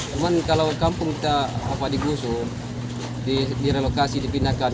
cuman kalau kampung kita apa dikusur direlokasi dipindahkan